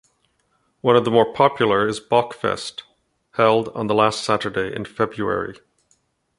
One of the more popular is Bockfest, held on the last Saturday in February.